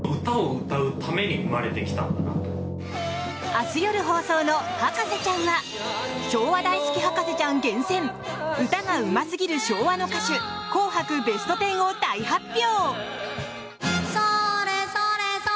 明日夜放送の「博士ちゃん」は昭和大好き博士ちゃん厳選歌がうますぎる昭和の歌手紅白ベストテンを大発表。